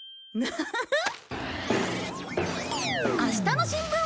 フフフッ。